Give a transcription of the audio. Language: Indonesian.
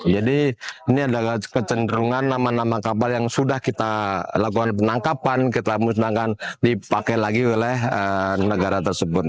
jadi ini adalah kecenderungan nama nama kapal yang sudah kita lakukan penangkapan kita musnahkan dipakai lagi oleh negara tersebut